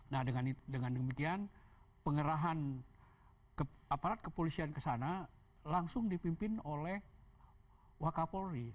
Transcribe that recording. nah dengan demikian pengerahan aparat kepolisian ke sana langsung dipimpin oleh wakapolri